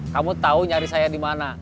kamu tahu nyari saya di mana